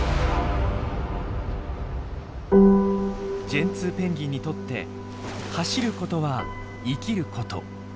ジェンツーペンギンにとって走ることは生きること。